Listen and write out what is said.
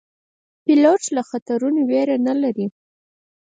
پیلوټ له خطرو نه ویره نه لري.